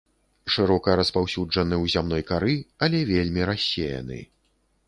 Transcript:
Шырока распаўсюджаны ў зямной кары, але вельмі рассеяны.